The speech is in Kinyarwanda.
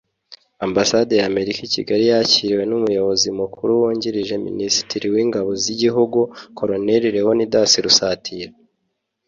ambasade y'amerika i kigali yakiriwe n'umuyobozi mukuru wungirije minisitiri w'ingabo z'igihugu, colonel lewonidasi rusatira